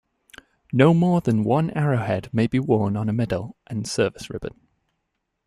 No more than one arrowhead may be worn on a medal and service ribbon.